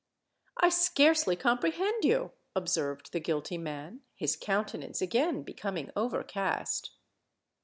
"I scarcely comprehend you," observed the guilty man, his countenance again becoming overcast.